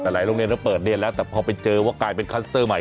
แต่หลายโรงเรียนก็เปิดเรียนแล้วแต่พอไปเจอว่ากลายเป็นคลัสเตอร์ใหม่